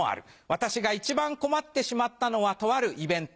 私が一番困ってしまったのはとあるイベント。